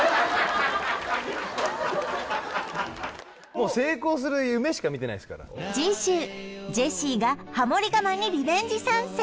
もう成功する夢しか見てないっすから次週ジェシーがハモリ我慢にリベンジ参戦